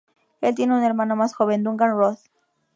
Él tiene un hermano más joven, Duncan Roth.